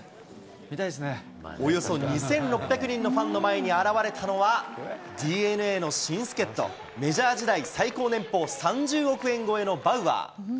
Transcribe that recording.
およそ２６００人のファンの前に現れたのは、ＤｅＮＡの新助っと、メジャー時代最高年俸３０億円超えのバウアー。